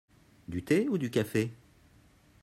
du thé ou du café ?